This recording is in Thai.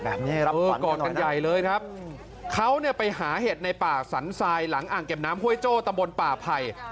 แบบนี้ครับเออกอดกันใหญ่เลยครับเขาเนี่ยไปหาเห็ดในป่าสันทรายหลังอ่างเก็บน้ำห้วยโจ้ตำบลป่าไผ่